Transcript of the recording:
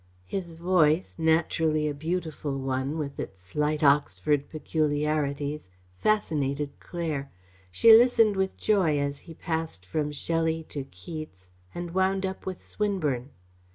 His voice, naturally a beautiful one, with its slight Oxford peculiarities, fascinated Claire. She listened with joy as he passed from Shelley to Keats and wound up with Swinburne.